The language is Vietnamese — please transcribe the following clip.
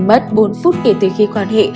mất bốn phút kể từ khi quan hệ